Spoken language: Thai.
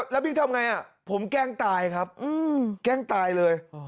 แล้วพี่ทำไงผมแกล้งตายครับแกล้งตายเลย